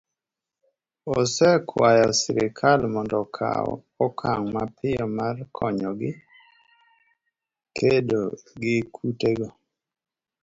osekwayo sirkal mondo okaw okang' mapiyo mar konyogi kedo gi kutego